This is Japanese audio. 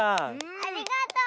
ありがとう。